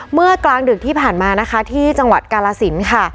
เมื่อกลางดึกที่ผ่านมานะคะที่จังหวัดกาลสินค่ะ